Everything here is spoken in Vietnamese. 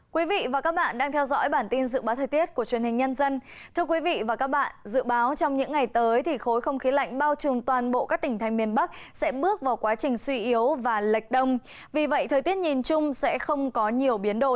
các bạn hãy đăng ký kênh để ủng hộ kênh của chúng mình nhé